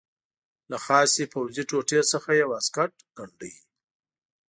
له خاصې پوځي ټوټې څخه یې واسکټ ګنډلو.